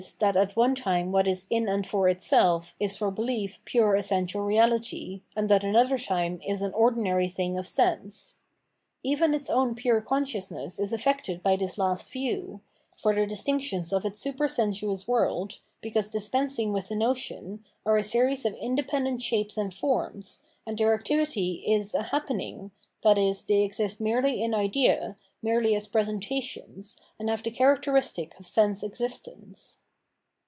that at one time what is "in and for itself" is for behef pure essential Keality and at another time is an ordinary thing of sense. Even its own pure consciousness is afiected by this last view ; for the distinctions of its supersensuous world, because dispensing with the notion, are a series of inde pendent shapes and forms, and their activity is a happening, i.e. they exist merely in idea, merely as presentations, and have the characteristic of sense existence.